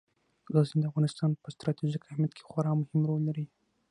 غزني د افغانستان په ستراتیژیک اهمیت کې خورا مهم رول لري.